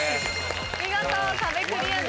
見事壁クリアです。